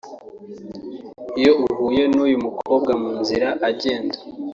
Iyo uhuye n’uyu mukobwa mu nzira agenda